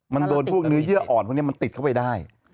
มันโดนพวกเนื้อเยื่ออ่อนพวกนี้มันติดเข้าไปได้